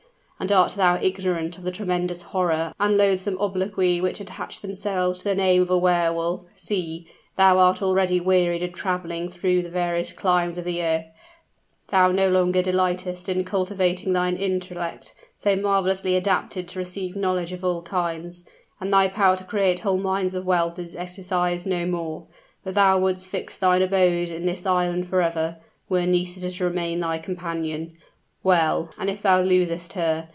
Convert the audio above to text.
and art thou ignorant of the tremendous horror and loathsome obloquy which attach themselves to the name of a Wehr Wolf? See thou art already wearied of traveling through the various climes of the earth; thou no longer delightest in cultivating thine intellect, so marvelously adapted to receive knowledge of all kinds; and thy power to create whole mines of wealth is exercised no more. But thou would'st fix thine abode in this island forever, were Nisida to remain thy companion! Well and if thou losest her?